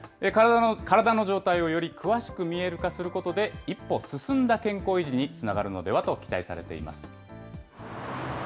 体の状態をより詳しく見える化することで、一歩進んだ健康維持につながるのではと期待されています。